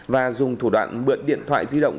và dùng thủ đoạn bượn điện thoại di động